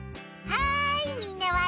はい。